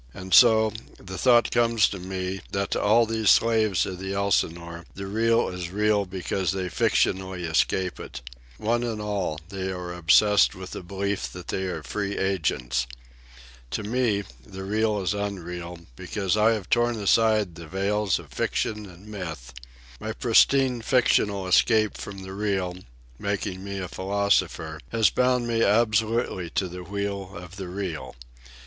And so, the thought comes to me, that to all these slaves of the Elsinore the Real is real because they fictionally escape it. One and all they are obsessed with the belief that they are free agents. To me the Real is unreal, because I have torn aside the veils of fiction and myth. My pristine fictional escape from the Real, making me a philosopher, has bound me absolutely to the wheel of the Real.